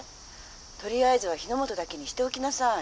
とりあえずは日ノ本だけにしておきなさい」。